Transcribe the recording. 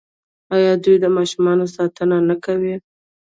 آیا دوی د ماشومانو ساتنه نه کوي؟